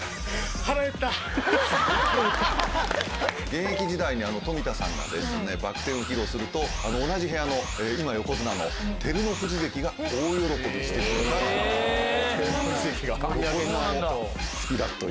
現役時代に冨田さんがですねバック転を披露すると同じ部屋の今横綱の照ノ富士関が大喜びしてくれた。